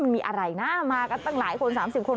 มีอะไรนะมากันตั้งหลายคน๓๐คน